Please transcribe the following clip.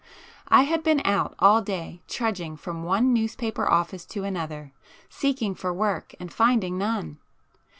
I had been out all day trudging from one newspaper office to another, seeking for work and finding none.